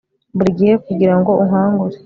buri gihe kugirango unkangure